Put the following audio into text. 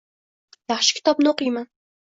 Yaxshi kitobni oʻqiyman